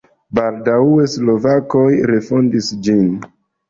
Baldaŭe slovakoj refondis ĝin.